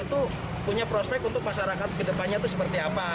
itu punya prospek untuk masyarakat kedepannya itu seperti apa